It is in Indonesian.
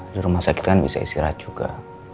di rumah sakit kan bisa istirahat juga